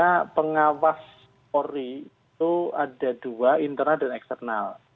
karena pengawas polri itu ada dua internal dan eksternal